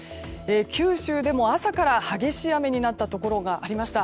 九州でも朝から激しい雨になったところがありました。